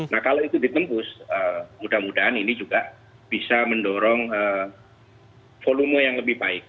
nah kalau itu ditembus mudah mudahan ini juga bisa mendorong volume yang lebih baik